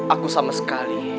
aku sama sekali